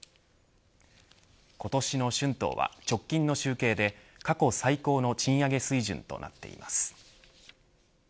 今年の春闘は、直近の集計で過去最高の賃上げ水準となっています。